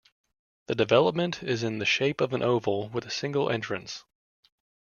The development is in the shape of an oval with a single entrance.